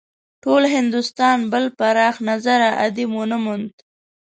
ټول هندوستان بل پراخ نظره ادیب ونه موند.